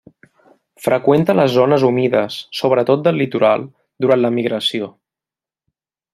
Freqüenta les zones humides, sobretot del litoral, durant la migració.